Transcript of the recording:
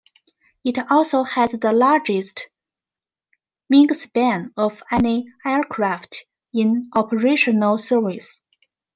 It also has the largest wingspan of any aircraft in operational service.